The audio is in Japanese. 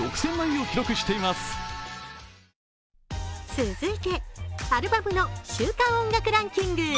続いてアルバムの週間音楽ランキング。